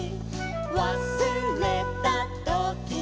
「わすれたときは」